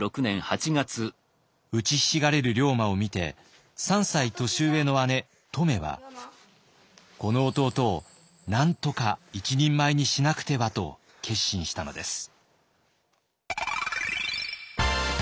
うちひしがれる龍馬を見て３歳年上の姉乙女はこの弟をなんとか一人前にしなくてはと決心したのです。